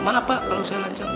maaf pak kalau saya lancar